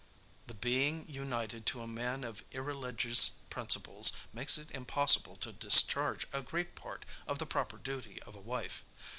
"The being united to a man of irreligious principles, makes it impossible to discharge a great part of the proper duty of a wife.